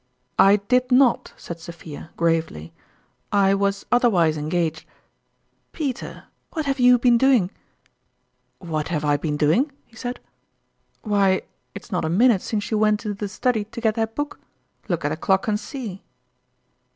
" I did not," said Sophia, gravely ;" I was otherwise engaged. Peter, what have you been doing ?" "What have I been doing?" he said. " Why, it's not a minute since you went into 128 tourmalin's ime Cheques. tlie study to get that book ; look at the clock and see